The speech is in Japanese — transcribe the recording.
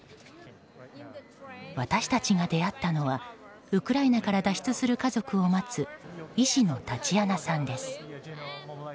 私たちが出会ったのはウクライナから脱出する家族を待つ医師のタチアナさんです。